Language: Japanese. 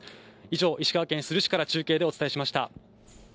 以上、石川県珠洲市から中継でお伝えしました。